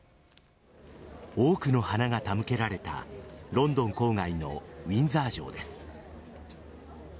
多くの花が手向けられたロンドン郊外のウィンザー城です。